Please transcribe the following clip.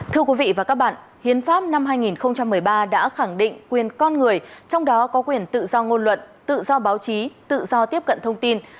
thưa quý vị và các bạn hiến pháp năm hai nghìn một mươi ba đã khẳng định quyền con người trong đó có quyền tự do ngôn luận tự do báo chí tự do tiếp cận thông tin